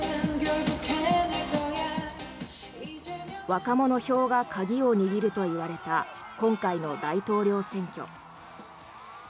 若者票が鍵を握るといわれた今回の大統領選挙。